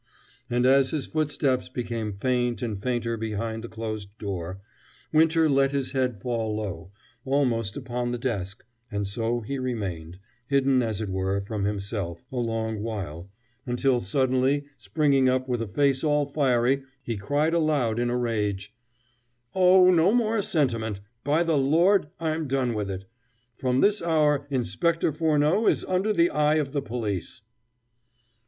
And as his footsteps became faint and fainter behind the closed door, Winter let his head fall low, almost upon the desk, and so he remained, hidden, as it were, from himself, a long while, until suddenly springing up with a face all fiery, he cried aloud in a rage: "Oh, no more sentiment! By the Lord, I'm done with it. From this hour Inspector Furneaux is under the eye of the police."